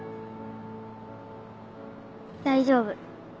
大丈夫。